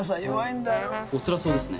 お辛そうですね。